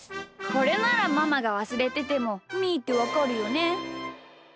これならママがわすれててもみーってわかるよね。